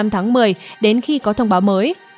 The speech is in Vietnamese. hai mươi năm tháng một mươi đến khi có thông báo mới